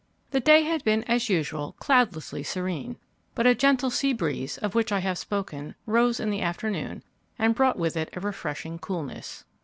The day had been as usual cloudlessly serene; but a gentle sea breeze, of which I have spoken, rose in the afternoon and brought with it a refreshing coolness.